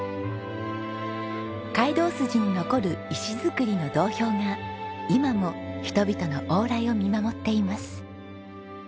街道筋に残る石造りの道標が今も人々の往来を見守っています。